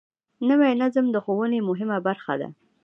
نوی نظم د ښوونې مهمه برخه ده